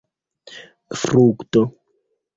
frukto